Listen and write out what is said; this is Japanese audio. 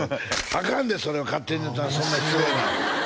「アカンでそれは勝手にそんな失礼な」